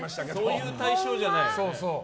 そういう対象じゃない。